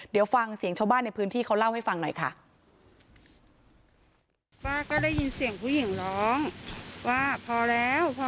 เดี๋ยวฟังเสียงชาวบ้านในพื้นที่เขาเล่าให้ฟังหน่อยค่ะ